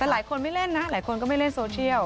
หลายคนไม่เล่นนะหลายคนก็ไม่เล่นโซเชียล